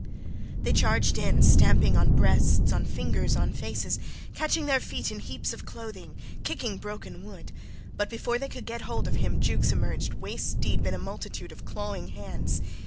They charged in, stamping on breasts, on fingers, on faces, catching their feet in heaps of clothing, kicking broken wood; but before they could get hold of him Jukes emerged waist deep in a multitude of clawing hands.